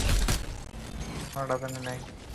আমি কোনো রাঁধুনি নই!